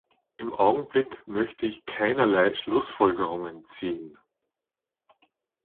Im Augenblick möchte ich keinerlei Schlussfolgerungen ziehen.